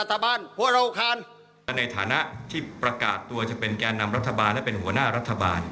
ถ้าอาภิษฏชับมือกับทักษิณเป็นนาธบาล